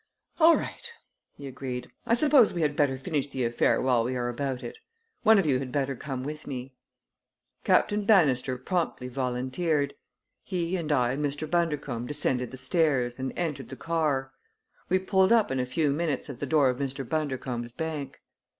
"All right!" he agreed. "I suppose we had better finish the affair while we are about it. One of you had better come with me." Captain Bannister promptly volunteered. He and I and Mr. Bundercombe descended the stairs and entered the car. We pulled up in a few minutes at the door of Mr. Bundercombe's bank.